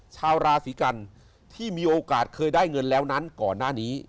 ชาวราศีกันที่มีโอกาสเคยได้เงินแล้วนั้นก่อนหน้านี้